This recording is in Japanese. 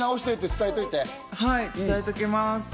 伝えておきます。